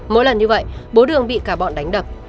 mỗi lần như vậy bố đường bị cả bọn đánh đập